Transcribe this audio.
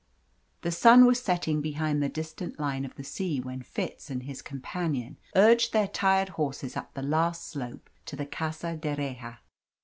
The sun was setting behind the distant line of the sea when Fitz and his companion urged their tired horses up the last slope to the Casa d'Erraha.